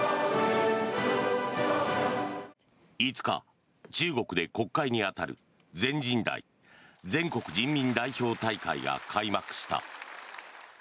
５日、中国で国会に当たる全人代・全国人民代表大会が開幕した。